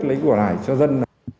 lấy quả lại cho dân